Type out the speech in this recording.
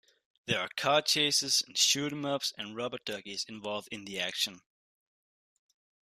There are car chases and shoot-em-ups and rubber duckies involved in the action.